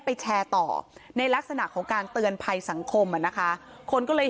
แชร์ต่อในลักษณะของการเตือนภัยสังคมอ่ะนะคะคนก็เลย